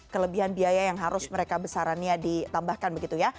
kelebihan biaya yang harus mereka besarannya ditambahkan begitu ya